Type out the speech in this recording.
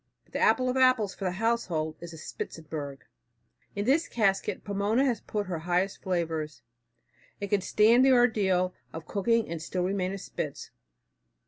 But the apple of apples for the household is the spitzenberg. In this casket Pomona has put her highest flavors. It can stand the ordeal of cooking and still remain a spitz.